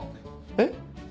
えっ？